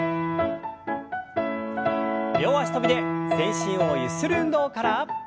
両脚跳びで全身をゆする運動から。